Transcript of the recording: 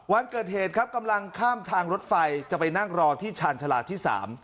วันเกิดเหตุครับกำลังข้ามทางรถไฟจะไปนั่งรอที่ชาญชาลาที่๓